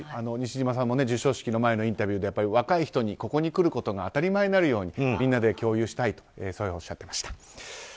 西島さんも授賞式の前のインタビューで若い人に、ここに来ることが当たり前になるようにみんなで共有したいとおっしゃっていました。